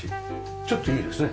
ちょっといいですね。